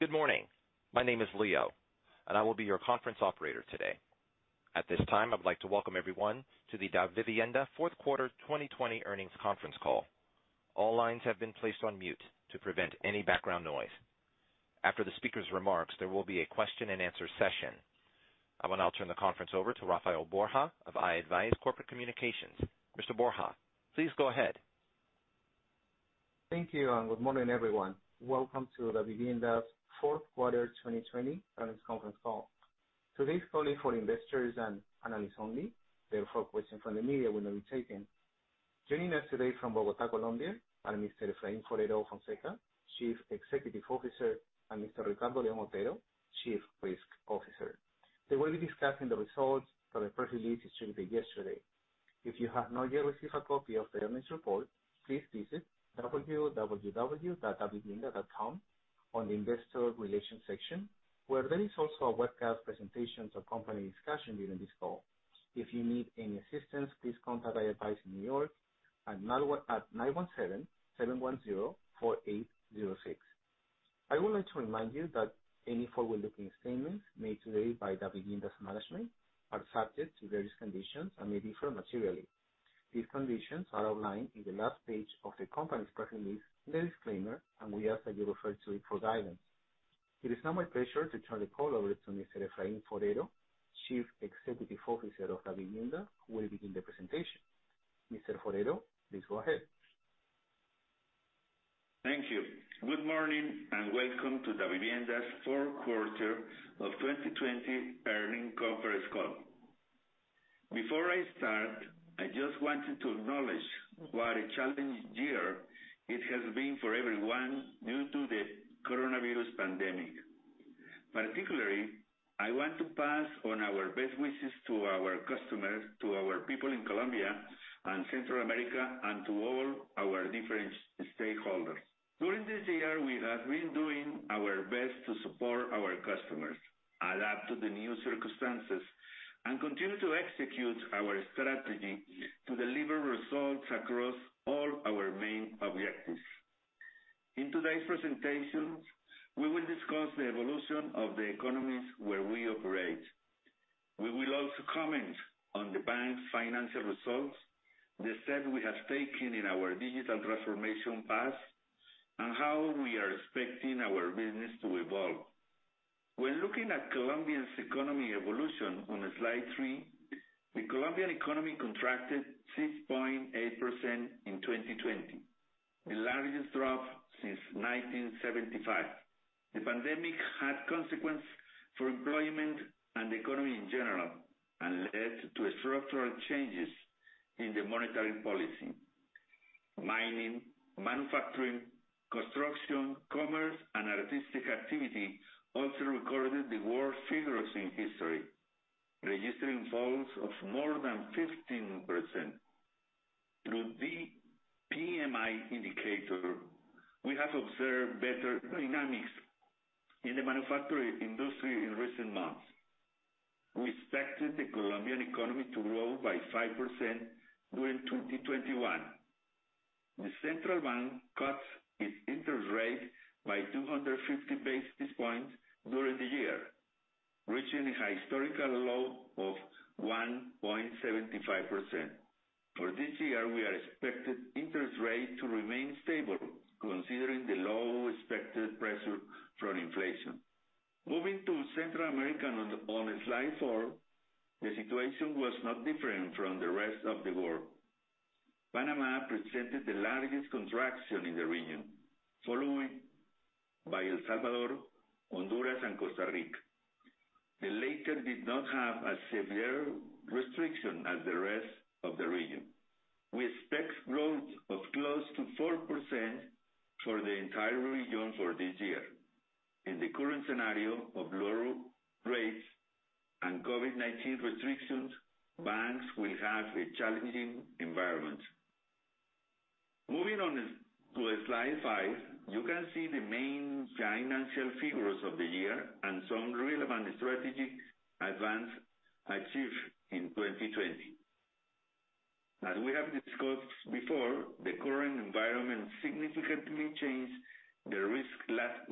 Good morning. My name is Leo, and I will be your conference operator today. At this time, I would like to welcome everyone to the Davivienda fourth quarter 2020 earnings conference call. All lines have been placed on mute to prevent any background noise. After the speaker's remarks, there will be a question and answer session. I will now turn the conference over to Rafael Borja of iAdvize Corporate Communications. Mr. Borja, please go ahead. Thank you, and good morning, everyone. Welcome to Davivienda's fourth quarter 2020 earnings conference call. Today is only for investors and analysts only, therefore questions from the media will not be taken. Joining us today from Bogotá, Colombia are Mr. Efraín Forero Fonseca, Chief Executive Officer, and Mr. Ricardo León Otero, Chief Risk Officer. They will be discussing the results from the press release distributed yesterday. If you have not yet received a copy of the earnings report, please visit www.davivienda.com on the investor relations section, where there is also a webcast presentation to accompany discussion during this call. If you need any assistance, please contact iAdvize in New York at 917-710-4806. I would like to remind you that any forward-looking statements made today by Davivienda's management are subject to various conditions and may differ materially. These conditions are outlined on the last page of the company's press release in the disclaimer, and we ask that you refer to it for guidance. It is now my pleasure to turn the call over to Mr. Efraín Forero, Chief Executive Officer of Davivienda, who will begin the presentation. Mr. Forero, please go ahead. Thank you. Good morning, and welcome to Davivienda's fourth quarter of 2020 earnings conference call. Before I start, I just wanted to acknowledge what a challenging year it has been for everyone due to the coronavirus pandemic. Particularly, I want to pass on our best wishes to our customers, to our people in Colombia and Central America, and to all our different stakeholders. During this year, we have been doing our best to support our customers, adapt to the new circumstances, and continue to execute our strategy to deliver results across all our main objectives. In today's presentation, we will discuss the evolution of the economies where we operate. We will also comment on the bank's financial results, the steps we have taken in our digital transformation path, and how we are expecting our business to evolve. When looking at Colombia's economy evolution on slide three, the Colombian economy contracted 6.8% in 2020, the largest drop since 1975. The pandemic had consequences for employment and the economy in general and led to structural changes in the monetary policy. Mining, manufacturing, construction, commerce, and artistic activity also recorded the worst figures in history, registering falls of more than 15%. Through the PMI indicator, we have observed better dynamics in the manufacturing industry in recent months. We expected the Colombian economy to grow by 5% during 2021. The central bank cut its interest rate by 250 basis points during the year, reaching a historical low of 1.75%. For this year, we are expecting interest rates to remain stable considering the low expected pressure from inflation. Moving to Central America on slide four, the situation was not different from the rest of the world. Panama presented the largest contraction in the region, followed by El Salvador, Honduras, and Costa Rica. The latter did not have as severe restrictions as the rest of the region. We expect growth of close to 4% for the entire region for this year. In the current scenario of lower rates and COVID-19 restrictions, banks will have a challenging environment. Moving on to slide five, you can see the main financial figures of the year and some relevant strategy advances achieved in 2020. As we have discussed before, the current environment significantly changed the risk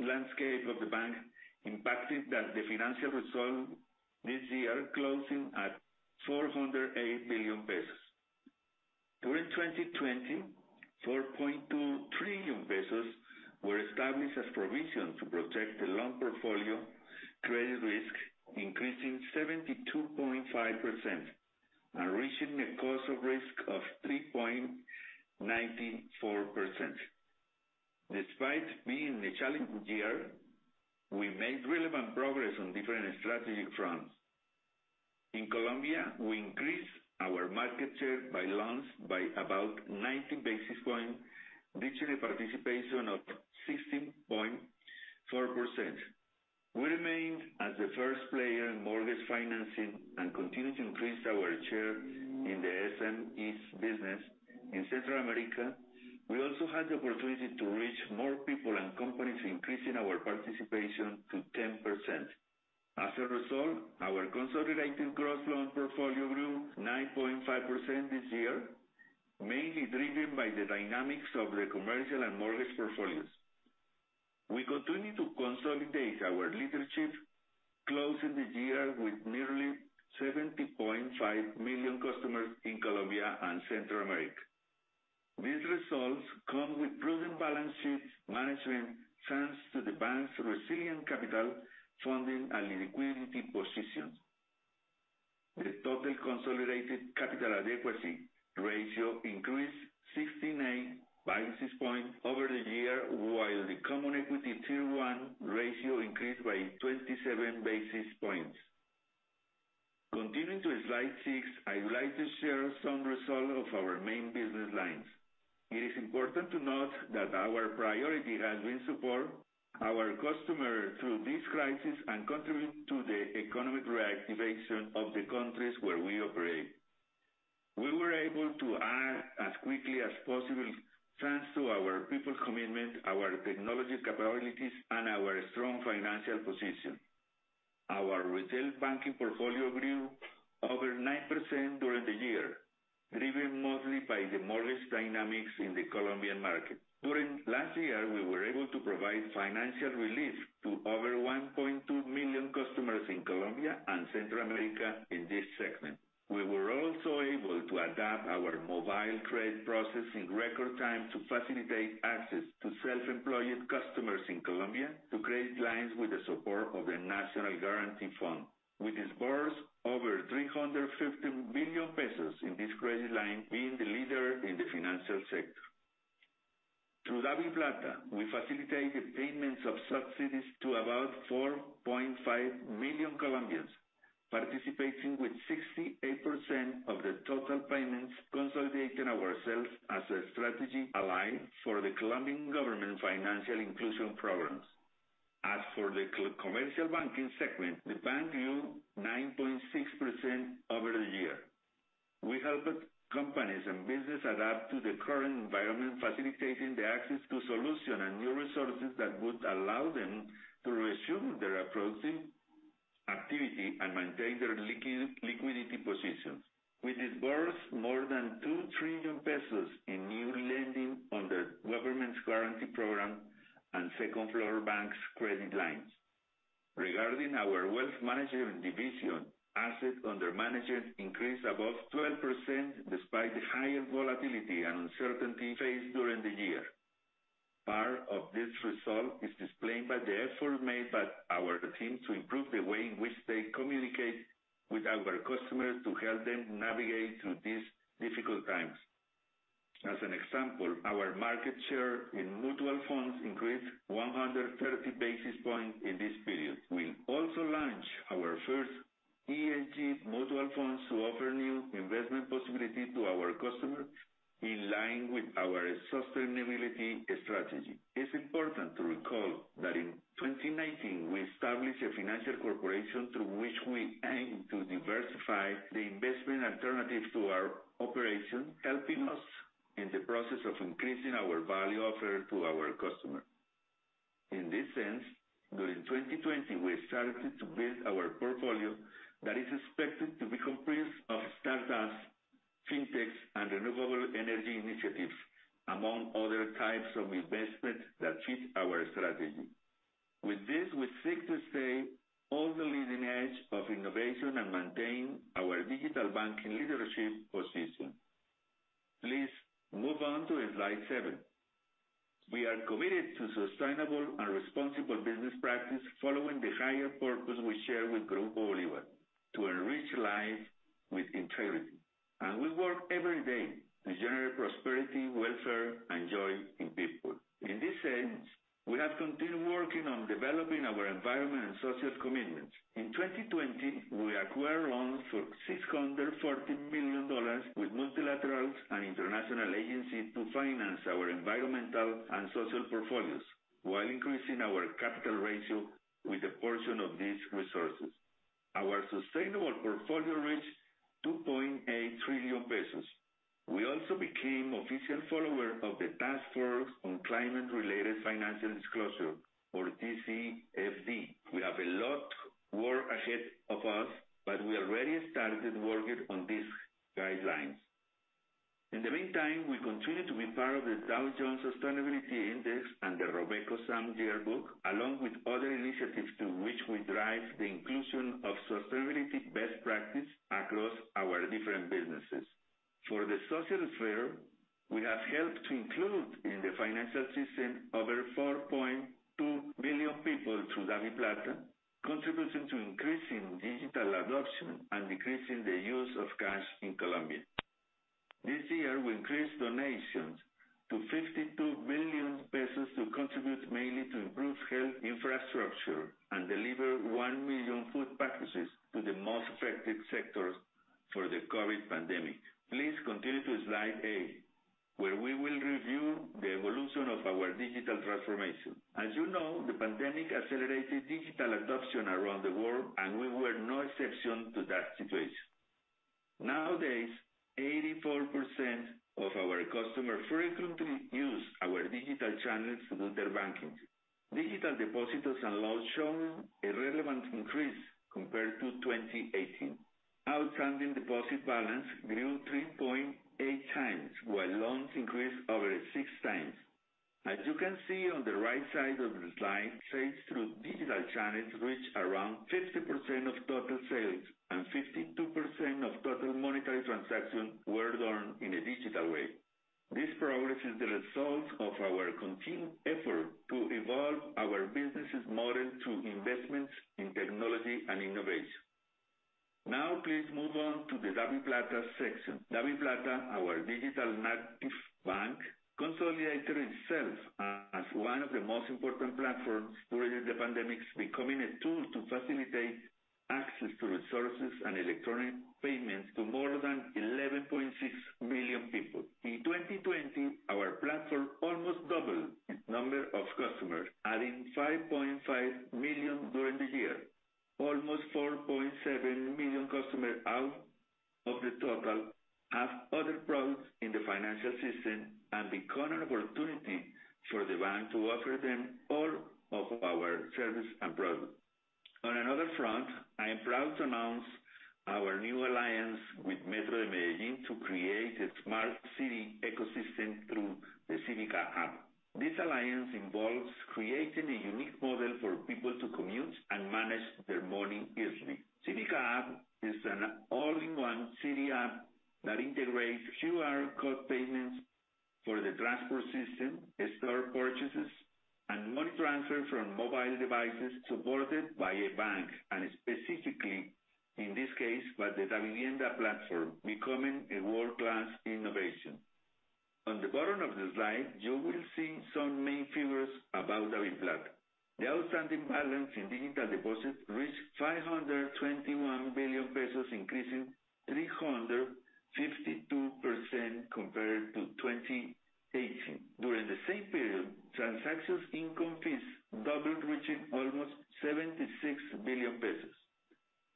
landscape of the bank, impacting the financial results this year closing at COP 408 billion. During 2020, COP 4.2 trillion were established as provision to protect the loan portfolio credit risk, increasing 72.5% and reaching a cost of risk of 3.94%. Despite being a challenging year, we made relevant progress on different strategic fronts. In Colombia, we increased our market share by loans by about 90 basis points, reaching a participation of 16.4%. We remained as the first player in mortgage financing and continued to increase our share in the SMEs business. In Central America, we also had the opportunity to reach more people and companies, increasing our participation to 10%. As a result, our consolidated gross loan portfolio grew 9.5% this year, mainly driven by the dynamics of the commercial and mortgage portfolios. We continue to consolidate our leadership, closing the year with nearly 70.5 million customers in Colombia and Central America. These results come with prudent balance sheet management, thanks to the bank's resilient capital funding and liquidity positions. The total consolidated capital adequacy ratio increased 69 basis points over the year, while the common equity Tier 1 ratio increased by 27 basis points. Continuing to slide six, I would like to share some results of our main business lines. It is important to note that our priority has been support our customer through this crisis and contribute to the economic reactivation of the countries where we operate. We were able to act as quickly as possible, thanks to our people commitment, our technology capabilities, and our strong financial position. Our retail banking portfolio grew over 9% during the year, driven mostly by the mortgage dynamics in the Colombian market. During last year, we were able to provide financial relief to over 1.2 million customers in Colombia and Central America in this segment. We were also able to adapt our mobile credit process in record time to facilitate access to self-employed customers in Colombia to credit lines with the support of the National Guarantee Fund. We disbursed over COP 350 million in this credit line, being the leader in the financial sector. Through DaviPlata, we facilitated payments of subsidies to about 4.5 million Colombians, participating with 68% of the total payments, consolidating ourselves as a strategic ally for the Colombian government financial inclusion programs. As for the commercial banking segment, the bank grew 9.6% over the year. We helped companies and businesses adapt to the current environment, facilitating the access to solutions and new resources that would allow them to resume their approaching activity and maintain their liquidity position. We disbursed more than COP 2 trillion in new lending under government's guarantee program and second-floor banks credit lines. Regarding our wealth management division, assets under management increased above 12%, despite the higher volatility and uncertainty faced during the year. Part of this result is explained by the effort made by our team to improve the way in which they communicate with our customers to help them navigate through these difficult times. As an example, our market share in mutual funds increased 130 basis points in this period. We also launched our first ESG mutual funds to offer new investment possibility to our customers in line with our sustainability strategy. It's important to recall that in 2019, we established a financial corporation through which we aim to diversify the investment alternative to our operation, helping us in the process of increasing our value offer to our customer. In this sense, during 2020, we started to build our portfolio that is expected to be comprised of startups, fintechs, and renewable energy initiatives, among other types of investments that fit our strategy. With this, we seek to stay on the leading edge of innovation and maintain our digital banking leadership position. Please move on to slide seven. We are committed to sustainable and responsible business practice following the higher purpose we share with Grupo Bolívar: to enrich lives with integrity. We work every day to generate prosperity, welfare, and joy in people. In this sense, we have continued working on developing our environment and social commitments. In 2020, we acquired loans for $640 million with multilaterals and international agencies to finance our environmental and social portfolios, while increasing our capital ratio with a portion of these resources. Our sustainable portfolio reached COP 2.8 trillion. We also became official follower of the Task Force on Climate-related Financial Disclosures or TCFD. We have a lot work ahead of us, but we already started working on these guidelines. In the meantime, we continue to be part of The Dow Jones Sustainability Index and the RobecoSAM Yearbook, along with other initiatives through which we drive the inclusion of sustainability best practice across our different businesses. For the social sphere, we have helped to include in the financial system over 4.2 million people through DaviPlata, contributing to increasing digital adoption and decreasing the use of cash in Colombia. This year, we increased donations to COP 52 billion to contribute mainly to improve health infrastructure and deliver 1 million food packages to the most affected sectors for the COVID pandemic. Please continue to slide eight, where we will review the evolution of our digital transformation. As you know, the pandemic accelerated digital adoption around the world, and we were no exception to that situation. Nowadays, 84% of our customers frequently use our digital channels to do their banking. Digital depositors and loans shown a relevant increase compared to 2018. Outstanding deposit balance grew 3.8x, while loans increased over 6x. As you can see on the right side of the slide, sales through digital channels reached around 50% of total sales, and 52% of total monetary transactions were done in a digital way. This progress is the result of our continued effort to evolve our business' model through investments in technology and innovation. Now please move on to the DaviPlata section. DaviPlata, our digital native bank, consolidated itself as one of the most important platforms during the pandemic, becoming a tool to facilitate access to resources and electronic payments to more than 11.6 million people. In 2020, our platform almost doubled its number of customers, adding 5.5 million during the year. Almost 4.7 million customers out of the total have other products in the financial system and become an opportunity for the bank to offer them all of our services and products. On another front, I am proud to announce our new alliance with Metro de Medellín to create a smart city ecosystem through the Cívica App. This alliance involves creating a unique model for people to commute and manage their money easily. Cívica App is an all-in-one city app that integrates QR code payments for the transport system, store purchases, and money transfer from mobile devices supported by a bank, and specifically, in this case, by the Davivienda platform, becoming a world-class innovation. On the bottom of the slide, you will see some main figures about DaviPlata. The outstanding balance in digital deposits reached COP 521 billion, increasing 352% compared to 2018. During the same period, transactions income fees doubled, reaching almost COP 76 billion.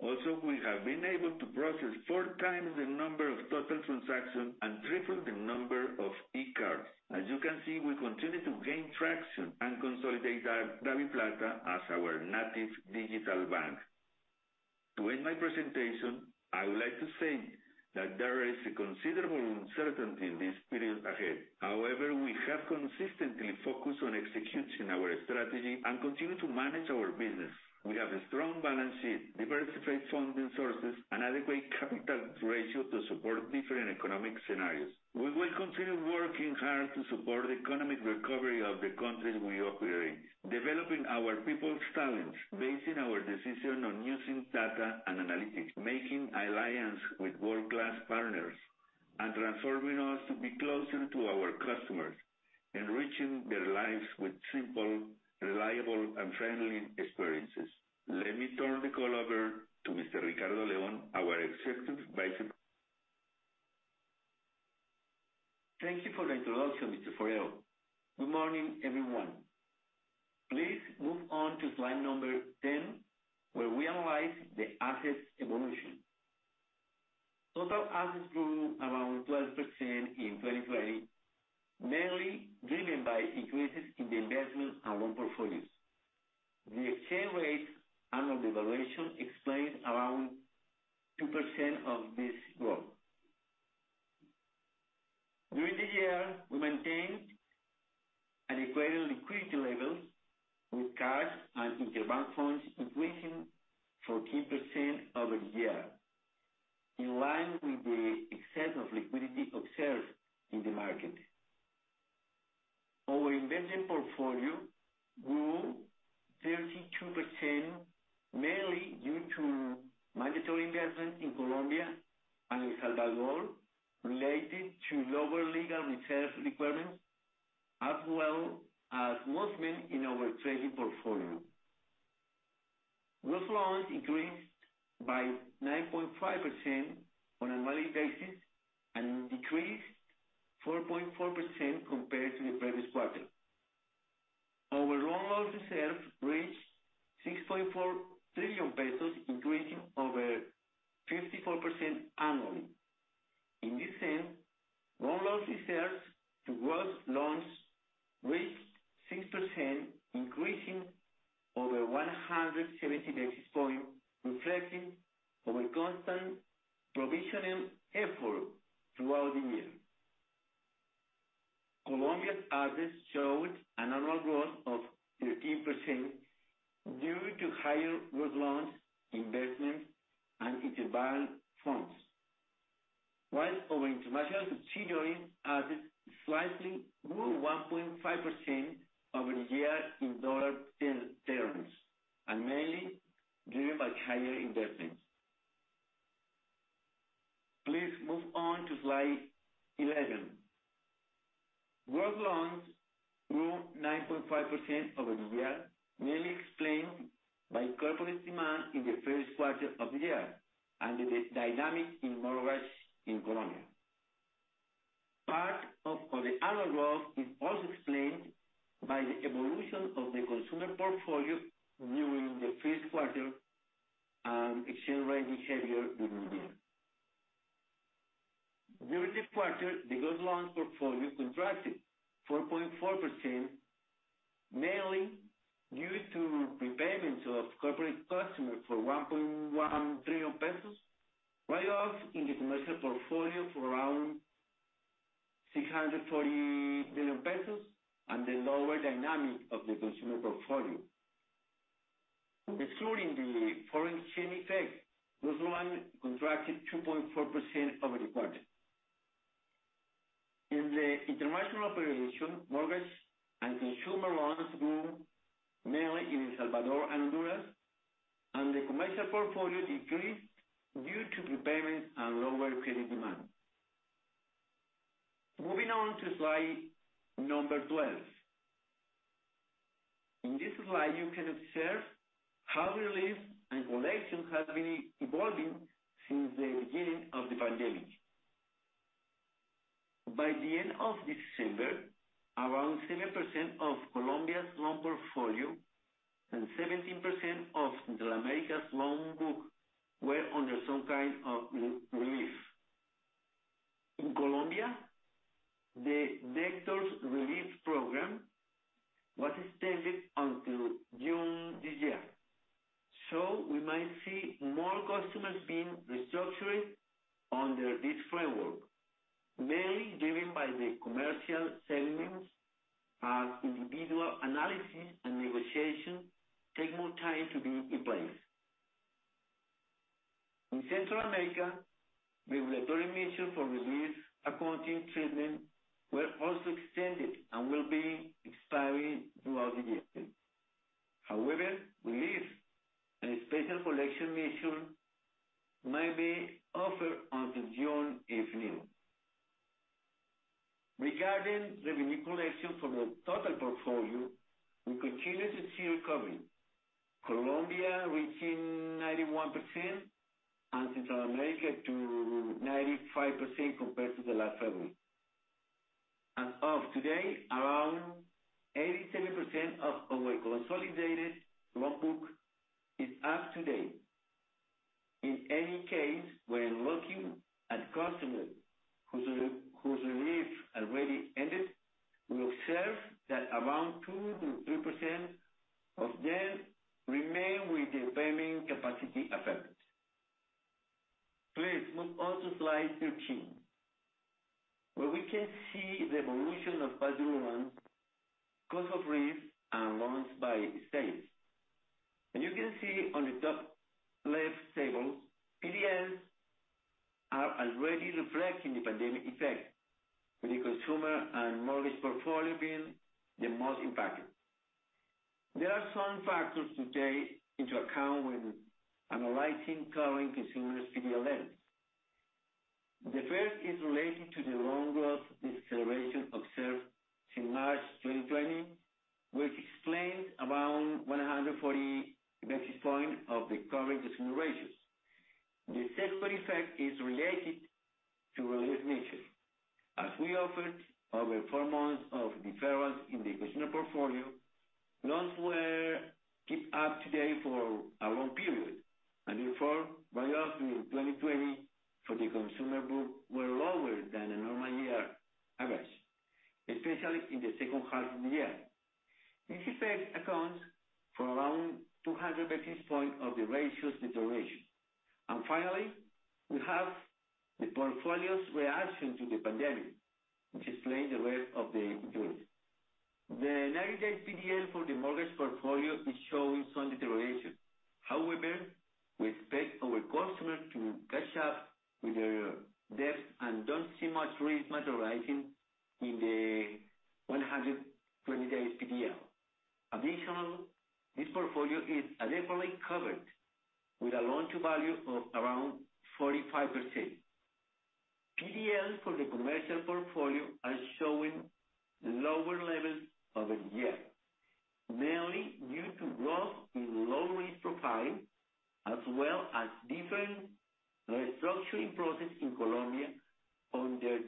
Also, we have been able to process four times the number of total transactions and three times the number of e-cards. As you can see, we continue to gain traction and consolidate DaviPlata as our native digital bank. To end my presentation, I would like to say that there is a considerable uncertainty in this period ahead. However, we have consistently focused on executing our strategy and continue to manage our business. We have a strong balance sheet, diversified funding sources, and adequate capital ratio to support different economic scenarios. We will continue working hard to support the economic recovery of the countries we operate, developing our people's talents, basing our decision on using data and analytics, making alliance with world-class partners, and transforming us to be closer to our customers, enriching their lives with simple, reliable, and friendly experiences. Let me turn the call over to Mr. Ricardo León, our Executive Vice President. Thank you for the introduction, Mr. Forero. Good morning, everyone. Please move on to slide number 10, where we analyze the assets evolution. Total assets grew around 12% in 2020, mainly driven by increases in the investment and loan portfolios. The exchange rate annual devaluation explains around 2% of this growth. During the year, we maintained an adequate liquidity level with cash and interbank funds increasing 14% over the year, in line with the excess of liquidity observed in the market. Our investment portfolio grew 32%, mainly due to mandatory investments in Colombia and El Salvador related to lower legal reserve requirements, as well as movement in our trading portfolio. Gross loans increased by 9.5% on an annual basis and decreased 4.4% compared to the previous quarter. Our loan loss reserves reached COP 6.4 trillion, increasing over 54% annually. In this end, loan loss reserves to gross loans reached 6%, increasing over 170 basis points, reflecting our constant provisioning effort throughout the year. Colombia's assets showed an annual growth of 13% due to higher gross loans, investments, and interbank funds. While our international subsidiaries assets slightly grew 1.5% over the year in dollar terms, and mainly driven by higher investments. Please move on to slide 11. Gross loans grew 9.5% over the year, mainly explained by corporate demand in the first quarter of the year and the dynamics in mortgages in Colombia. The annual growth is also explained by the evolution of the consumer portfolio during the first quarter and exchange rate behavior during the year. During the quarter, the gross loans portfolio contracted 4.4%, mainly due to prepayments of corporate customers for COP 1.1 trillion, write-offs in the commercial portfolio for around COP 640 billion, and the lower dynamic of the consumer portfolio. Excluding the foreign exchange effect, gross loans contracted 2.4% over the quarter. In the international operation, mortgage and consumer loans grew mainly in El Salvador and Honduras. The commercial portfolio decreased due to prepayments and lower credit demand. Moving on to slide number 12. In this slide, you can observe how relief and collection have been evolving since the beginning of the pandemic. By the end of December, around 7% of Colombia's loan portfolio and 17% of the Americas loan book were under some kind of relief. In Colombia, the Debtors Relief Program was extended until June this year. We might see more customers being restructured under this framework, mainly driven by the commercial segments as individual analysis and negotiation take more time to be in place. In Central America, regulatory measures for relief accounting treatment were also extended and will be expiring throughout the year. However, relief and special collection measures might be offered until June if needed. Regarding the revenue collection from the total portfolio, we continue to see recovery, Colombia reaching 91% and Central America to 95% compared to the last February. Of today, around 87% of our consolidated loan book is up to date. In any case, when looking at customers whose relief already ended, we observe that around 2%-3% of them remain with their payment capacity affected. Please move on to slide 13, where we can see the evolution of past-due loans, cost of risk, and loans by stage. You can see on the top left table, PDLs are already reflecting the pandemic effect, with the consumer and mortgage portfolio being the most impacted. There are some factors to take into account when analyzing current consumer PDLs. The first is related to the loan growth deceleration observed since March 2020, which explains around 140 basis points of the current consumer ratios. The second effect is related to relief measures. As we offered over four months of deferrals in the consumer portfolio, loans were kept up to date for a long period, and therefore, write-offs in 2020 for the consumer book were lower than a normal year average, especially in the second half of the year. This effect accounts for around 200 basis points of the ratio's deterioration. Finally, we have the portfolio's reaction to the pandemic, which explains the rest of the decrease. The 90-day PDL for the mortgage portfolio is showing some deterioration. We expect our customers to catch up with their debts and don't see much risk materializing in the 120-day PDL. This portfolio is adequately covered with a loan-to-value of around 45%. PDLs for the commercial portfolio are showing lower levels over the year, mainly due to growth in low-risk profiles, as well as different restructuring process in Colombia under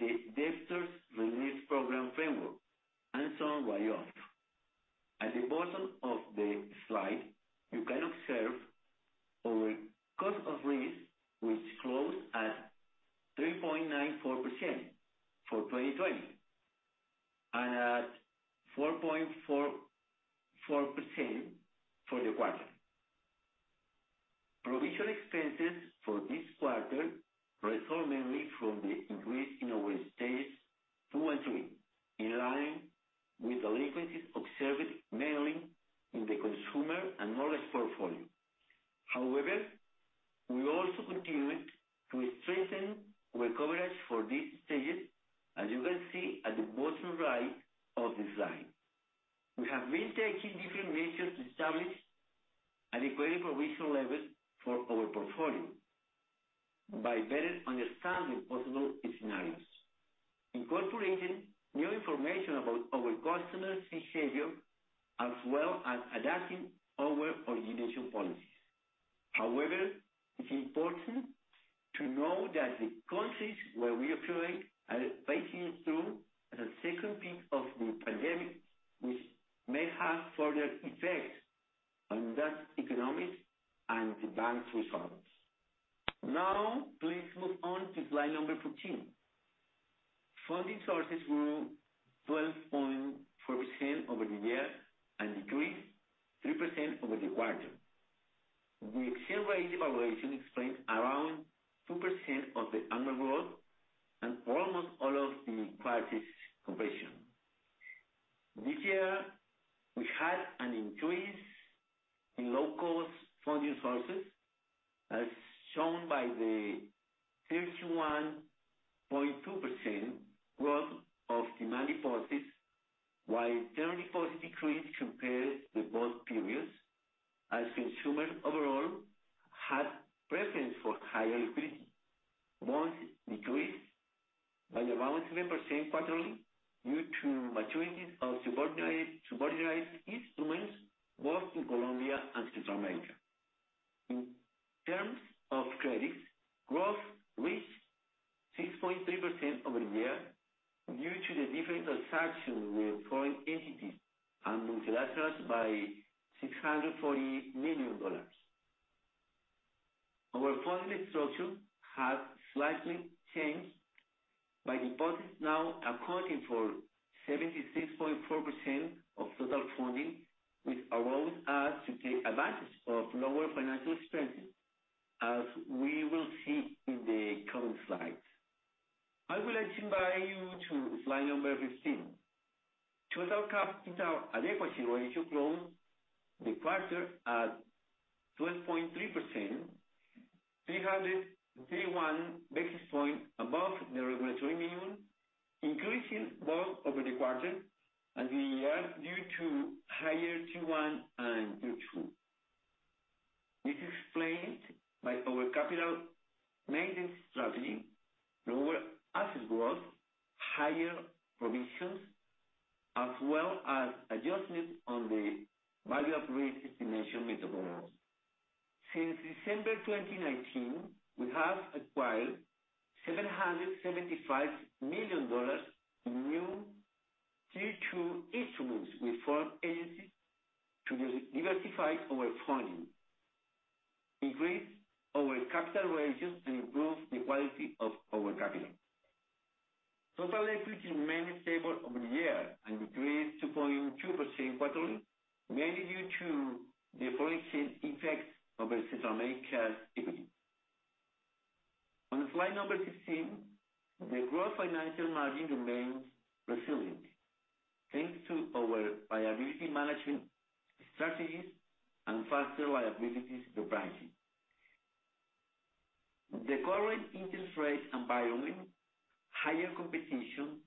we had an increase in low-cost funding sources, as shown by the 31.2% growth of demand deposits, while term deposits decreased compared to both periods, as consumers overall had preference for higher liquidity. Bonds decreased by 11% quarterly, due to maturities of subordinated instruments both in Colombia and Central America. In terms of credits, growth reached 6.3% over the year due to the different transactions with foreign entities and multilaterals by $640 million. Our funding structure has slightly changed by deposits now accounting for 76.4% of total funding, which allows us to take advantage of lower financial expenses, as we will see in the coming slides. I would like to invite you to slide number 15. Total capital adequacy ratio closed the quarter at 12.3%, 331 basis points above the regulatory minimum, increasing both over the quarter and the year due to higher Tier 1 and Tier 2. This is explained by our capital maintenance strategy, lower asset growth, higher provisions, as well as adjustment on the value-at-risk estimation methodology. Since December 2019, we have acquired $775 million in new Tier 2 instruments with foreign agencies to diversify our funding, increase our capital ratios, and improve the quality of our capital. Total equity remained stable over the year and decreased 2.2% quarterly, mainly due to the foreign exchange effects of our Central America entity. On slide number 16, the group financial margin remains resilient, thanks to our liability management strategies and faster liabilities repricing. The current interest rate environment, higher competition,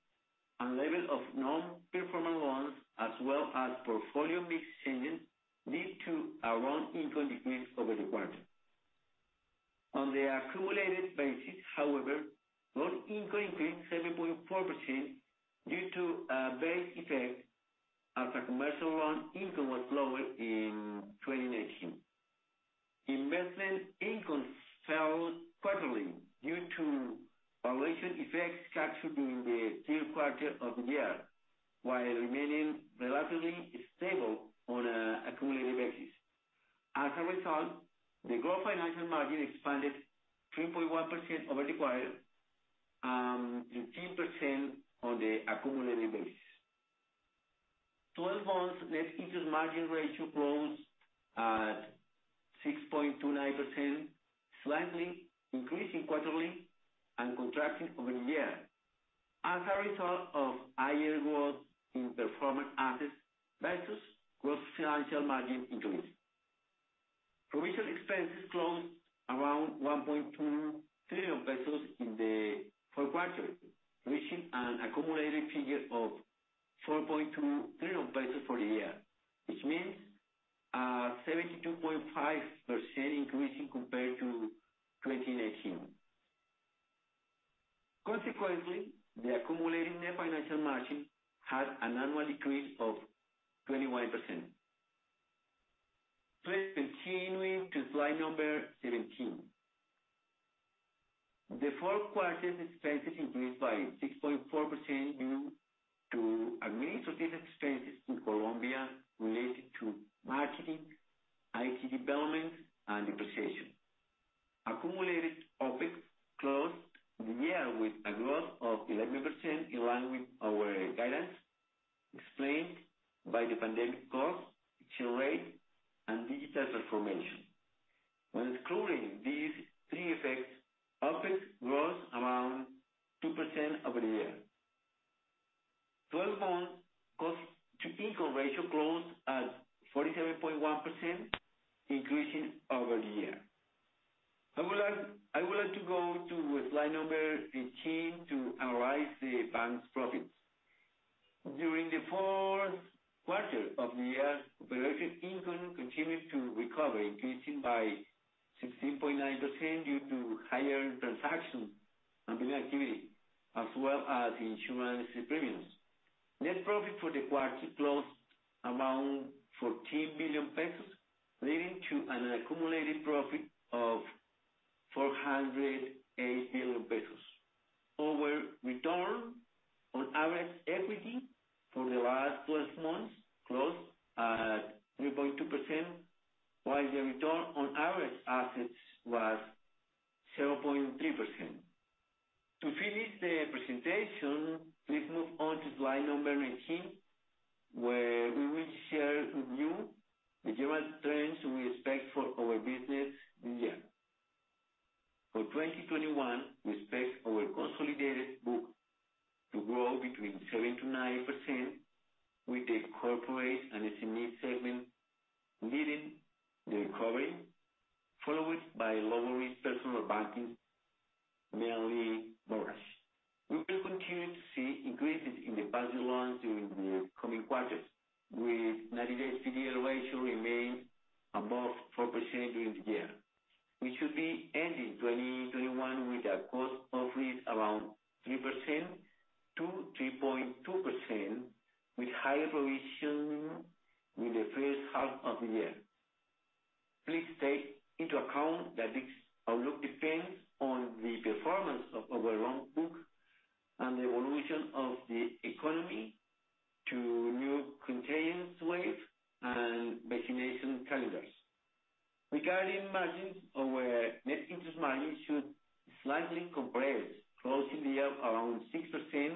and level of non-performing loans, as well as portfolio mix changes, lead to a loan income decrease over the quarter. On the accumulated basis, however, loan income increased 7.4% due to a base effect as our commercial loan income was lower in 2019. The group financial margin expanded 3.1% over the quarter and 15% on the accumulated basis. 12 months net interest margin ratio closed at 6.29%, slightly increasing quarterly and contracting over the year as a result of higher growth in performing assets versus gross financial margin increase. Provision expenses closed around COP 1.2 trillion in the fourth quarter, reaching an accumulated figure of COP 4.2 trillion for the year, which means a 72.5% increase in compared to 2019. The accumulating net financial margin had an annual decrease of 21%. Please continue to slide number 17. The fourth quarter's expenses increased by 6.4% due to administrative expenses in Colombia related to marketing, IT development, and depreciation. Accumulated OpEx closed the year with a growth of 11%, in line with our guidance explained by the pandemic cost, exchange rate, and digital transformation. When excluding these three effects, OpEx grows around 2% over the year. 12-month cost-to-income ratio closed at 47.1%, increasing over the year. I would like to go to slide number 18 to analyze the bank's profits. During the fourth quarter of the year, operating income continued to recover, increasing by 16.9% due to higher transaction and loan activity, as well as insurance premiums. Net profit for the quarter closed around COP 14 billion, leading to an accumulated profit of COP 408 billion. Our return on average equity for the last 12 months closed at 3.2%, while the return on average assets was 0.3%. To finish the presentation, please move on to slide number 19, where we will share with you the general trends we expect for our business this year. For 2021, we expect our consolidated book to grow between 7%-9%, with the Corporate and SME segment leading the recovery, followed by lower risk personal banking, mainly mortgage. We will continue to see increases in the budget loans during the coming quarters, with 90-day PDL ratio remain above 4% during the year. We should be ending 2021 with a cost of risk around 3%-3.2%, with higher provision in the first half of the year. Please take into account that this outlook depends on the performance of our loan book and the evolution of the economy to new contagion wave and vaccination calendars. Regarding margins, our net interest margin should slightly compress, closing the year around 6%,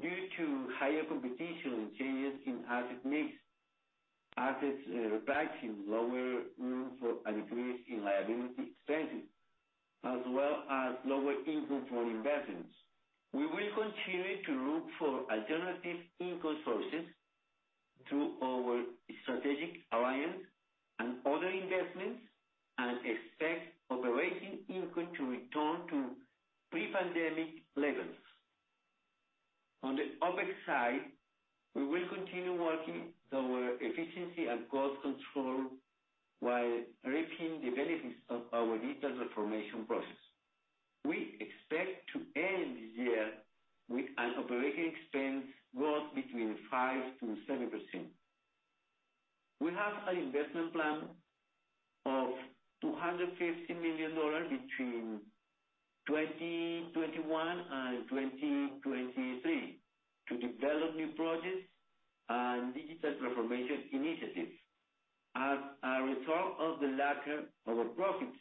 due to higher competition and changes in asset mix, assets repricing, lower room for an increase in liability expenses, as well as lower income from investments. We will continue to look for alternative income sources through our strategic alliance and other investments and expect operating income to return to pre-pandemic levels. On the OpEx side, we will continue working on our efficiency and cost control while reaping the benefits of our digital transformation process. We expect to end the year with an operating expense growth between 5%-7%. We have an investment plan of $250 million between 2021 and 2023 to develop new projects and digital transformation initiatives. As a result of the latter, our profits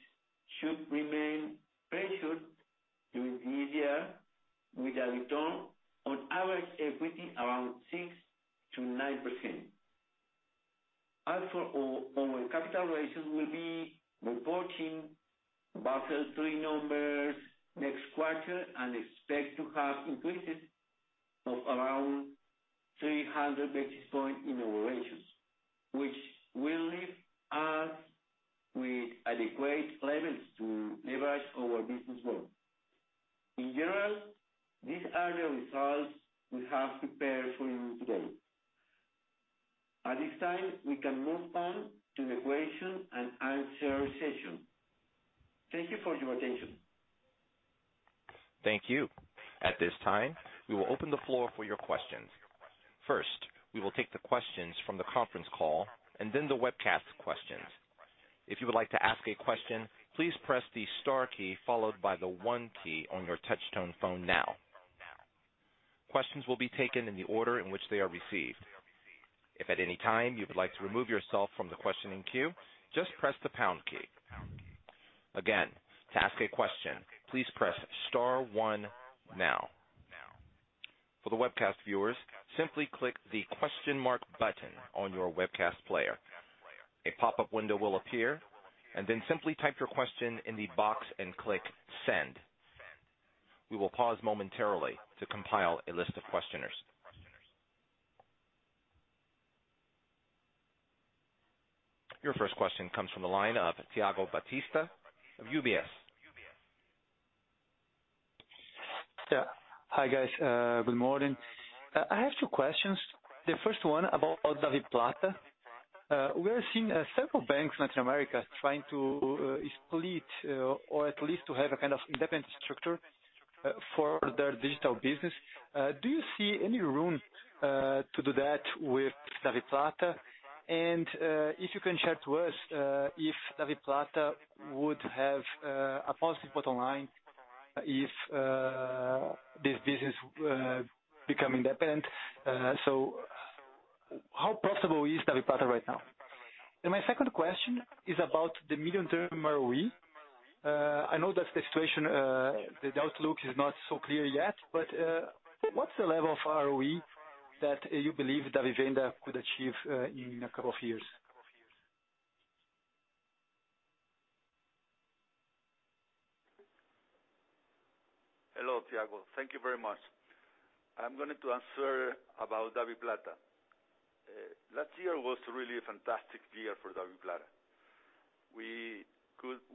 should remain pressured during the year, with a return on average equity around 6%-9%. Our capital ratios we'll be reporting Basel III numbers next quarter and expect to have increases of around 300 basis point in our ratios, which will leave us with adequate levels to leverage our business growth. In general, these are the results we have prepared for you today. At this time, we can move on to the question-and-answer session. Thank you for your attention. Thank you. At this time, we will open the floor for your questions. First, we will take the questions from the conference call and then the webcast questions. If you would like to ask a question, please press the star key followed by the one key on your touch tone phone now. Questions will be taken in the order in which they are received. If at any time you would like to remove yourself from the questioning queue, just press the pound key. Again, to ask a question, please press star one now. For the webcast viewers, simply click the question mark button on your webcast player. A pop-up window will appear, and then simply type your question in the box and click Send. We will pause momentarily to compile a list of questioners. Your first question comes from the line of Thiago Batista of UBS. Yeah. Hi, guys. Good morning. I have two questions. The first one about DaviPlata. We are seeing several banks in Latin America trying to split or at least to have a kind of independent structure for their digital business. Do you see any room to do that with DaviPlata? If you can share to us if DaviPlata would have a positive bottom line if this business become independent. How profitable is DaviPlata right now? My second question is about the medium-term ROE. I know that the situation, the outlook is not so clear yet, but what's the level of ROE that you believe Davivienda could achieve in a couple of years? Hello, Thiago. Thank you very much. I'm going to answer about DaviPlata. Last year was really a fantastic year for DaviPlata. We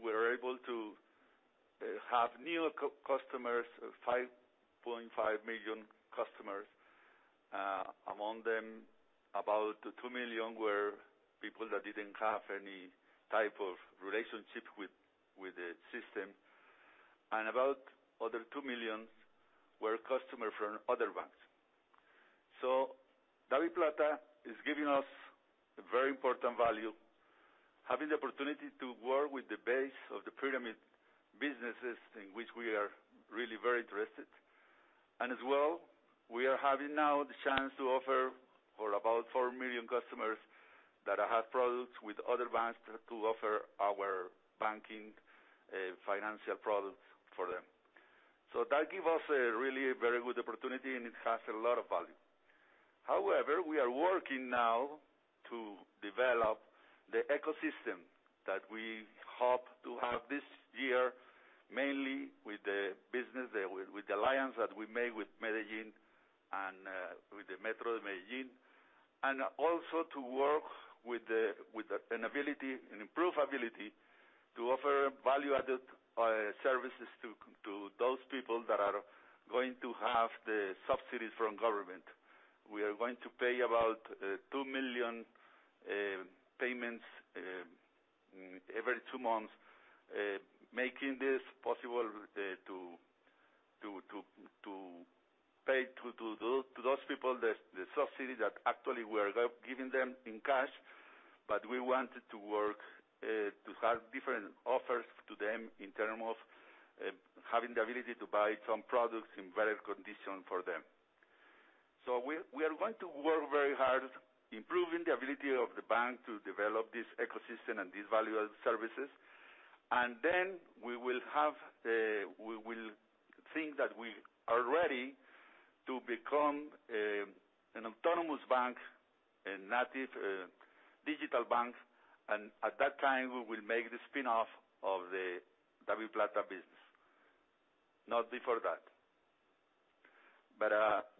were able to have new customers, 5.5 million customers. Among them, about 2 million were people that didn't have any type of relationship with the system. About other 2 million were customers from other banks. DaviPlata is giving us a very important value, having the opportunity to work with the base of the pyramid businesses in which we are really very interested. As well, we are having now the chance to offer for about 4 million customers that have products with other banks to offer our banking financial products for them. That give us a really very good opportunity, and it has a lot of value. However, we are working now to develop the ecosystem that we hope to have this year, mainly with the business, with the alliance that we made with Medellín and with the Cívica. Also to work with an ability, an improved ability, to offer value-added services to those people that are going to have the subsidies from government. We are going to pay about 2 million payments every two months, making this possible to pay to those people the subsidy that actually we're giving them in cash. We wanted to work to have different offers to them in term of having the ability to buy some products in better condition for them. We are going to work very hard improving the ability of the bank to develop this ecosystem and these value-added services. Then we will think that we are ready to become an autonomous bank, a native digital bank, and at that time, we will make the spin-off of the DaviPlata business. Not before that.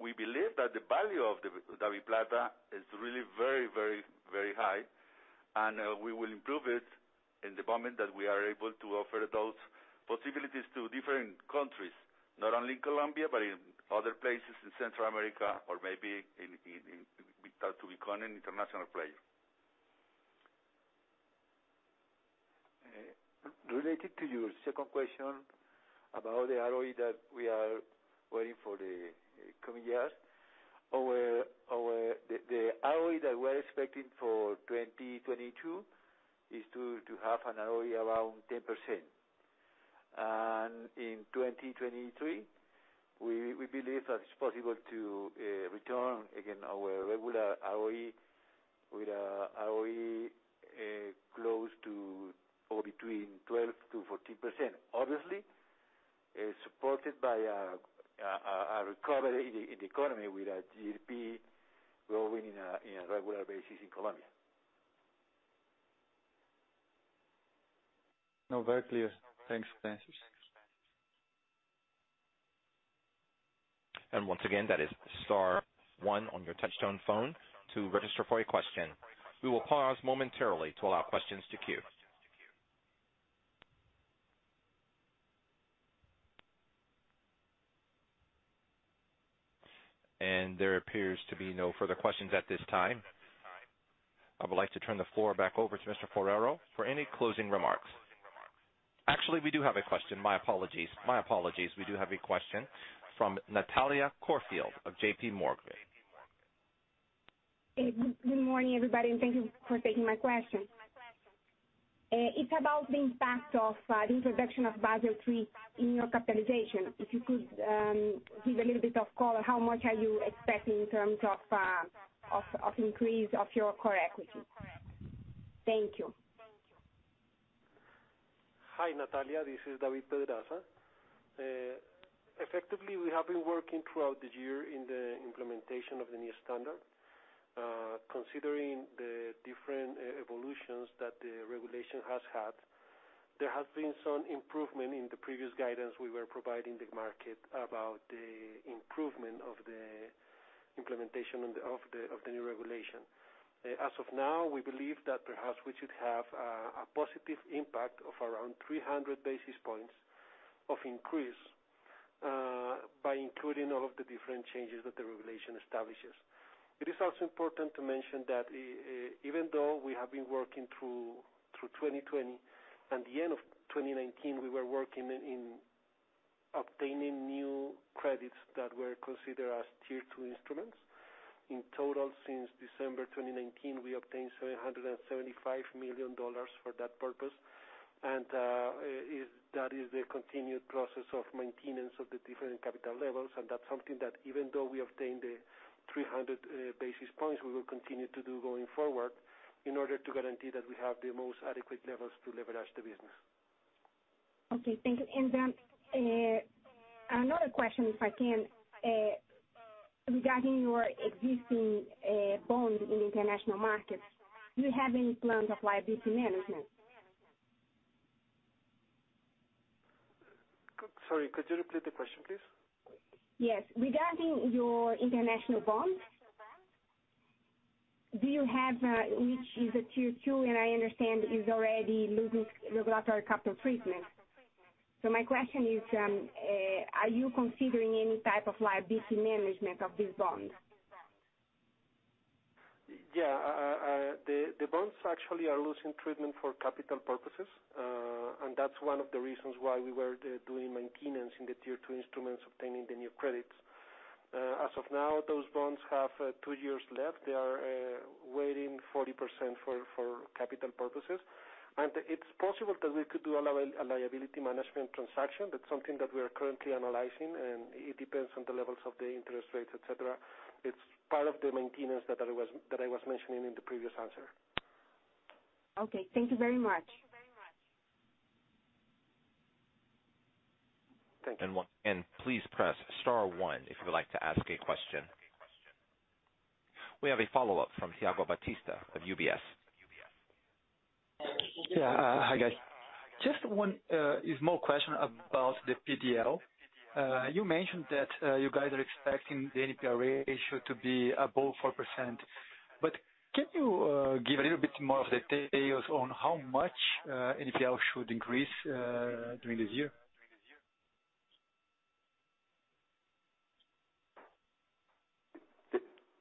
We believe that the value of DaviPlata is really very high, and we will improve it in the moment that we are able to offer those possibilities to different countries, not only Colombia but in other places in Central America or maybe we start to become an international player. Related to your second question about the ROE that we are waiting for the coming years, the ROE that we're expecting for 2022 is to have an ROE around 10%. In 2023, we believe that it's possible to return again our regular ROE with a ROE close to or between 12%-14%. Obviously, it's supported by a recovery in the economy with a GDP growing in a regular basis in Colombia. No, very clear. Thanks, Fonseca. Once again, that is star one on your touchtone phone to register for a question. We will pause momentarily to allow questions to queue. There appears to be no further questions at this time. I would like to turn the floor back over to Mr. Forero for any closing remarks. Actually, we do have a question. My apologies. We do have a question from Natalia Corfield of JPMorgan. Good morning, everybody, and thank you for taking my question. It's about the impact of the introduction of Basel III in your capitalization. If you could give a little bit of color, how much are you expecting in terms of increase of your core equity? Thank you. Hi, Natalia. This is David Pedraza. Effectively, we have been working throughout the year in the implementation of the new standard. Considering the different evolutions that the regulation has had, there has been some improvement in the previous guidance we were providing the market about the improvement of the implementation of the new regulation. As of now, we believe that perhaps we should have a positive impact of around 300 basis points of increase by including all of the different changes that the regulation establishes. It is also important to mention that even though we have been working through 2020, at the end of 2019, we were working in obtaining new credits that were considered as Tier 2 instruments. In total, since December 2019, we obtained $775 million for that purpose, and that is the continued process of maintenance of the different capital levels, and that's something that even though we obtained the 300 basis points, we will continue to do going forward in order to guarantee that we have the most adequate levels to leverage the business. Okay, thank you. Then another question, if I can, regarding your existing bond in international markets, do you have any plans of liability management? Sorry, could you repeat the question, please? Yes. Regarding your international bonds, which is a Tier 2, I understand is already losing regulatory capital treatment. My question is, are you considering any type of liability management of these bonds? Yeah. The bonds actually are losing treatment for capital purposes. That's one of the reasons why we were doing maintenance in the Tier 2 instruments, obtaining the new credits. As of now, those bonds have two years left. They are weighting 40% for capital purposes, and it's possible that we could do a liability management transaction. That's something that we are currently analyzing, and it depends on the levels of the interest rates, et cetera. It's part of the maintenance that I was mentioning in the previous answer. Okay. Thank you very much. Thank you. Please press star one if you would like to ask a question. We have a follow-up from Thiago Batista of UBS. Yeah. Hi, guys. Just one small question about the PDL. You mentioned that you guys are expecting the NPA ratio to be above 4%, but can you give a little bit more of details on how much NPA should increase during this year?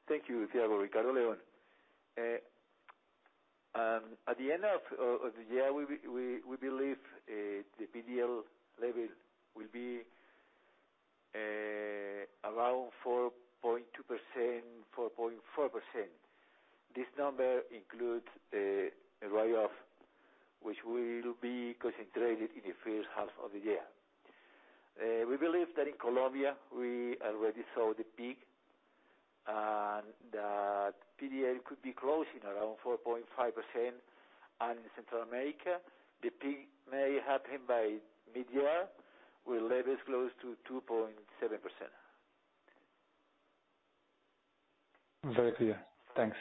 Thank you, Thiago. Ricardo León. At the end of the year, we believe the PDL level will be around 4.2%, 4.4%. This number includes a write-off which will be concentrated in the first half of the year. We believe that in Colombia, we already saw the peak, and that PDL could be closing around 4.5%. In Central America, the peak may happen by mid-year with levels close to 2.7%. Very clear. Thanks.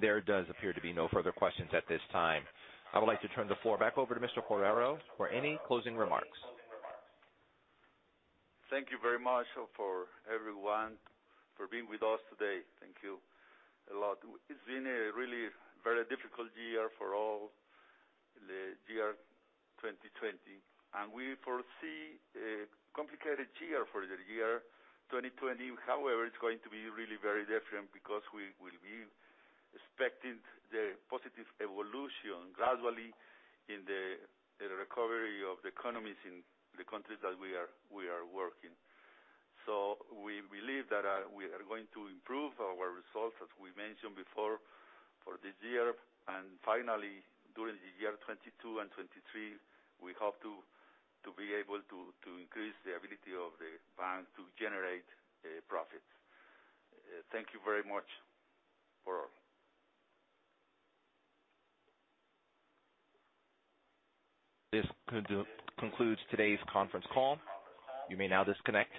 There does appear to be no further questions at this time. I would like to turn the floor back over to Mr. Forero for any closing remarks. Thank you very much for everyone for being with us today. Thank you a lot. It's been a really very difficult year for all, the year 2020. We foresee a complicated year for the year 2020. However, it's going to be really very different because we will be expecting the positive evolution gradually in the recovery of the economies in the countries that we are working. We believe that we are going to improve our results, as we mentioned before, for this year. Finally, during the year 2022 and 2023, we hope to be able to increase the ability of the bank to generate profits. Thank you very much for all. This concludes today's conference call. You may now disconnect.